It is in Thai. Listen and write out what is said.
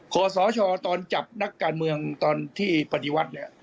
ขอสชตอนจับนักการเมืองตอนที่ปฏิวัติเนี่ย